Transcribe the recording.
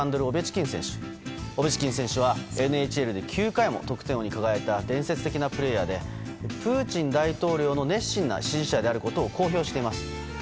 オベチキン選手はＮＨＬで９回の得点王に輝いた伝説的なプレーヤーでプーチン大統領の熱心な支持者であることを公表しています。